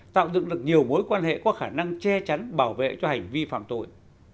tạo dựng được nhiều mối quan hệ có khả năng che chắn bảo vệ cho hành vi phạm tội